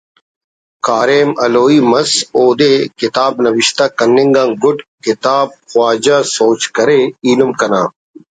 کاریم ہلوئی مس اودے کتاب نوشتہ کننگ آن گڈ کتاب خواجہ سوج کرے ”ایلم کنا